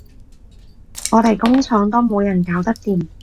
我哋工廠都冇人搞得掂